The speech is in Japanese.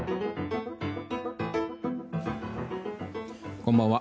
こんばんは。